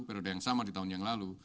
periode yang sama di tahun yang lalu